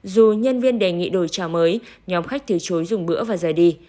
dù nhân viên đề nghị đổi trà mới nhóm khách từ chối dùng bữa và rời đi